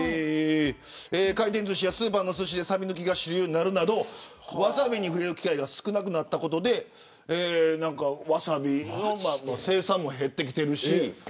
回転ずしやスーパーのすしでサビ抜きが主流になるなどワサビに触れる機会が少なくなったことでワサビの生産も減ってきているし。